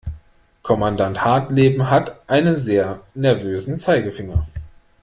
Kommandant Hartleben hat einen sehr nervösen Zeigefinger.